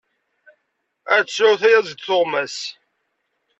Ar tesεu tyaziḍt tuɣmas!